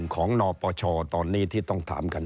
ของนปชตอนนี้ที่ต้องถามกัน